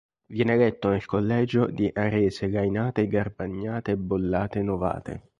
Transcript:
Viene eletto nel collegio di Arese-Lainate-Garbagnate-Bollate-Novate.